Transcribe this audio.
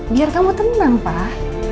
biar kamu tenang pak